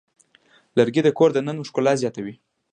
لرګی د کور دننه ښکلا زیاتوي.